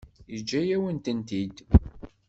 Yeǧǧa-yawen-ten-id.